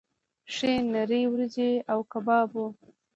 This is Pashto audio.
ښې نرۍ وریجې او کباب وو.